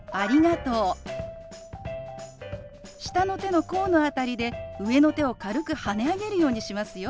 下の手の甲の辺りで上の手を軽くはね上げるようにしますよ。